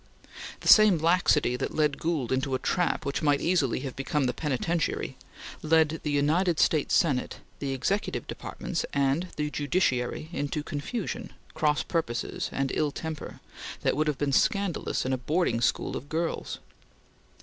The same laxity that led Gould into a trap which might easily have become the penitentiary, led the United States Senate, the Executive departments and the Judiciary into confusion, cross purposes, and ill temper that would have been scandalous in a boarding school of girls.